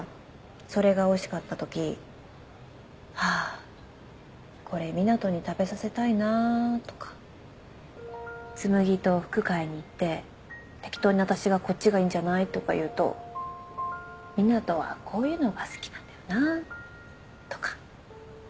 それがおいしかったとき「ああこれ湊斗に食べさせたいな」とか。紬と服買いに行って適当に私がこっちがいいんじゃないとか言うと「湊斗はこういうのが好きなんだよな」とか。